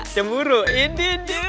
jemuru ini dia